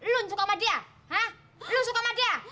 lo suka sama dia